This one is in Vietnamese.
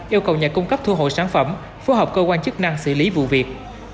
yêu cầu nhà cung cấp thu hộ sản phẩm phù hợp cơ quan chức năng xử lý vụ việc